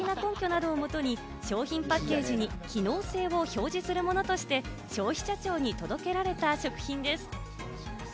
事業者の責任で科学的な根拠などをもとに、商品パッケージに機能性を表示するものとして、消費者庁に届けられた食品です。